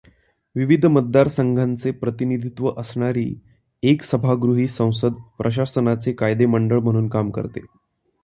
विविध मतदारसंघांचे प्रतिनिधित्व असणारी एकसभागृही संसद प्रशासनाचे कायदेमंडळ म्हणून काम करते.